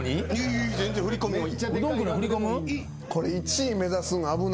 いい全然振り込みもいい。